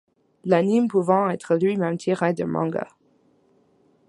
L'anime pouvant être lui-même tiré d'un manga.